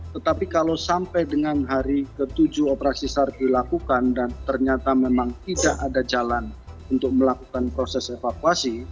tetapi kalau sampai dengan hari ke tujuh operasi sar dilakukan dan ternyata memang tidak ada jalan untuk melakukan proses evakuasi